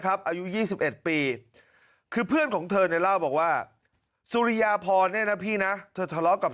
อายุ๒๑ปีคือเพื่อนของเธอเนี่ยเล่าบอกว่าสุริยาพรเนี่ยนะพี่นะเธอทะเลาะกับ